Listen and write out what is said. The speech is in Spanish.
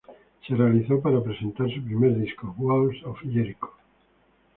Se realizó para presentar su primer disco Walls of Jericho.